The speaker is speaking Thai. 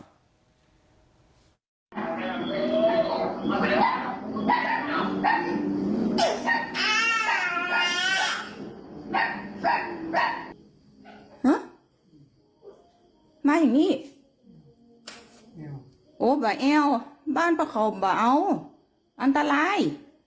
อ่ะไม่มีโอ้บ่าเอ้าบ้านประของบ่าเอาอันตราย